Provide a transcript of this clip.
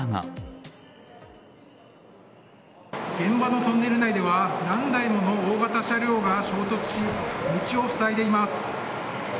現場のトンネル内では何台もの大型車両が衝突し、道を塞いでいます。